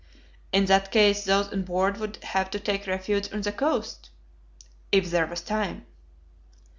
"In that case those on board would have to take refuge on the coast." "If there was time."